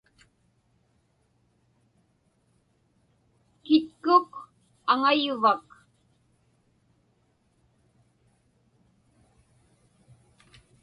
Kitkuk aŋayuvak?